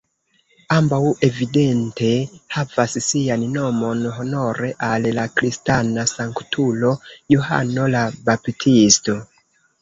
Ambaŭ evidente havas sian nomon honore al la kristana sanktulo Johano la Baptisto.